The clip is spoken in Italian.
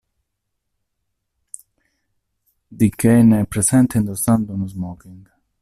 D. Kane è presente, indossando uno smoking.